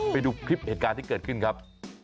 ไปดูคลิปเหตุการณ์ที่เกิดขึ้นครับ